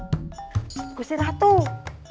hantu menyerang nafas di dalam vortex lima puluh